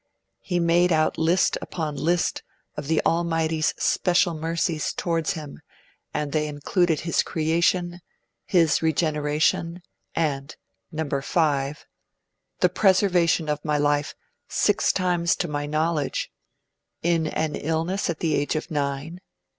He made out list upon list of the Almighty's special mercies towards him, and they included his creation, his regeneration, and (No. 5) 'the preservation of my life six times to my knowledge: (1) In illness at the age of nine.